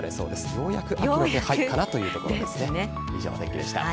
ようやく秋の気配かなというところですね。